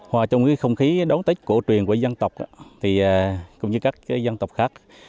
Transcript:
hòa trong không khí đón tết cổ truyền của dân tộc thì cũng như các dân tộc khác